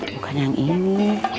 bukan yang ini